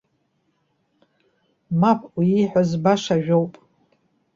Мап! Уи ииҳәаз баша ажәоуп.